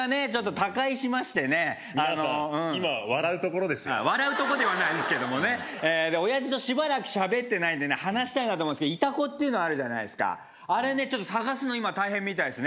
他界しましてね皆さん今笑うところですよ笑うとこではないですけどもね親父としばらく喋ってないんで話したいなと思うんですけどイタコってのあるじゃないですかあれ探すの今大変みたいですね